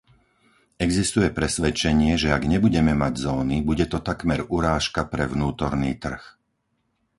Existuje presvedčenie, že ak nebudeme mať zóny, bude to takmer urážka pre vnútorný trh.